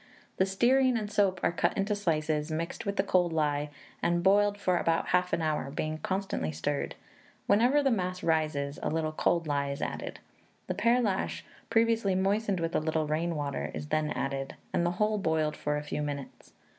The stearine and soap are cut into slices, mixed with the cold lye, and boiled for about half an hour, being constantly stirred. Whenever the mass rises, a little cold lye is added. The pearlash, previously moistened with a little rain water, is then added, and the whole boiled for a few minutes.